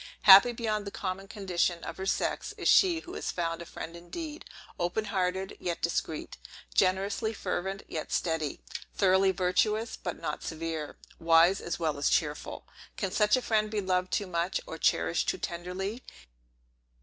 Happy beyond the common condition of her sex, is she who has found a friend indeed; open hearted, yet discreet; generously fervent, yet steady; thoroughly virtuous, but not severe; wise, as well as cheerful! Can such a friend be loved too much, or cherished too tenderly?